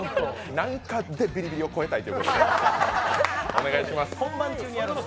なんとかビリビリを越えたいということでお願いします。